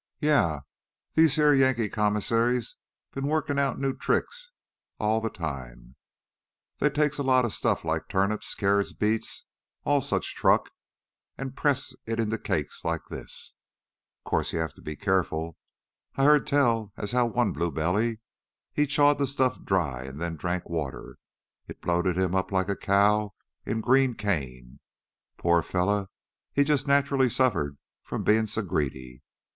"Yeah. These heah Yankee commissaries bin workin' out new tricks all th' time. They takes a lot of stuff like turnips, carrots, beets, all such truck, an' press it into cakes like this. 'Course you have to be careful. I heard tell as how one blue belly, he chawed the stuff dry an' then drank water; it bloated him up like a cow in green cane. Poor fella, he jus' natchelly suffered from bein' so greedy.